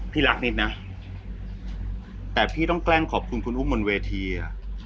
พี่รักนิดนะแต่พี่ต้องแกล้งขอบคุณคุณอุ้มบนเวทีอ่ะ